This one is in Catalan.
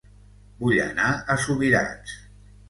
Vull anar a Subirats